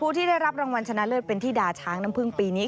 ที่ได้รับรางวัลชนะเลิศเป็นธิดาช้างน้ำพึ่งปีนี้